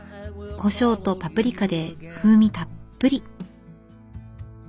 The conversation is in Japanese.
コショウとパプリカで風味たっぷり。